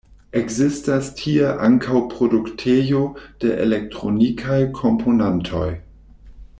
Ekzistas tie ankaŭ produktejo de elektronikaj komponantoj.